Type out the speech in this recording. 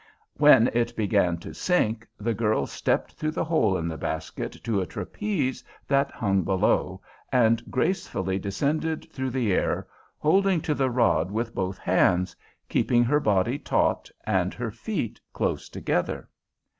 When it began to sink, the girl stepped through the hole in the basket to a trapeze that hung below, and gracefully descended through the air, holding to the rod with both hands, keeping her body taut and her feet close together.